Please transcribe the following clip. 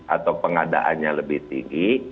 atau pengadaannya lebih tinggi